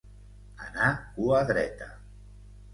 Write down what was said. Anar cua dreta.